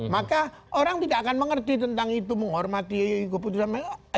maka orang tidak akan mengerti tentang itu menghormati keputusan mereka